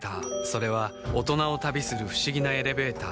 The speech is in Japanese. それは大人を旅する不思議なエレベーター